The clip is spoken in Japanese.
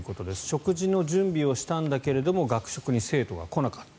食事の準備をしたんだけれども学食に生徒が来なかった。